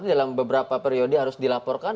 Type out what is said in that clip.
dalam beberapa periode harus dilaporkan